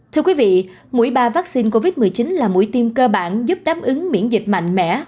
thưa quý vị mũi ba vaccine covid một mươi chín là mũi tiêm cơ bản giúp đáp ứng miễn dịch mạnh mẽ